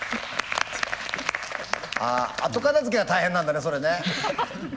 後片づけが大変なんだねそれね。